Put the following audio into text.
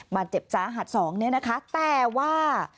บาดเจ็บสาหัสสองเนี่ยนะคะแต่ว่า